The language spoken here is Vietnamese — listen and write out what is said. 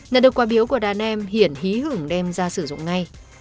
nhận được quà biếu của đàn em hiển hí hưởng đem ra sử dụng ngay